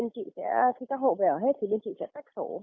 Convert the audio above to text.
khi các hộ về ở hết thì bên chị sẽ tách sổ